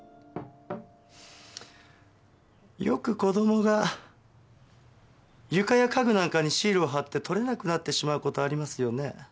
よく子供が床や家具なんかにシールを貼って取れなくなってしまう事ありますよね。